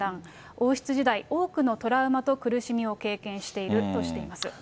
王室時代、多くのトラウマと苦しみを経験しているとしています。